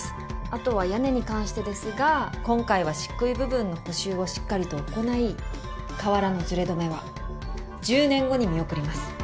後は屋根に関してですが今回はしっくい部分の補修をしっかりと行ない瓦のずれ止めは１０年後に見送ります。